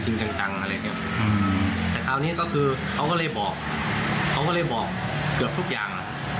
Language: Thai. จริงจังอะไรแบบนี้แต่คราวนี้เขาก็เลยบอกเกือบทุกอย่าง